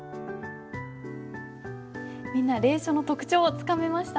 みんな隷書の特徴つかめましたね？